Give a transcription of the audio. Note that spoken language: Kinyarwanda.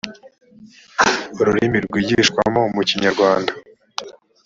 ururimi rwigishwamo mu kinyarwanda